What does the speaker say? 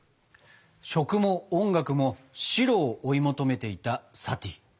食も音楽も「白」を追い求めていたサティ。